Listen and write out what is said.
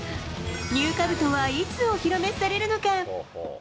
ニューかぶとはいつお披露目されるのか。